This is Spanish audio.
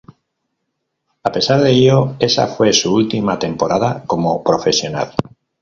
A pesar de ello, esa fue su última temporada como profesional.